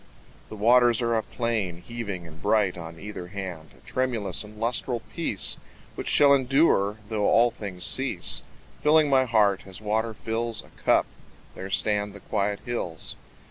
The waters are a plain, Heaving and bright on either hand, A tremulous and lustral peace Which shall endure though all things cease, Filling my heart as water fills A cup. There stand the quiet hills.